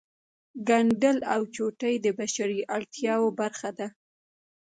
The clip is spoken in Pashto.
ګنډل او چوټې د بشري اړتیاوو برخه ده